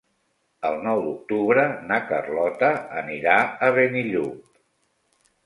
El nou d'octubre na Carlota anirà a Benillup.